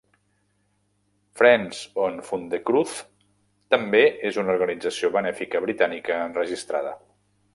Friends of FundeCruz també és una organització benèfica britànica enregistrada.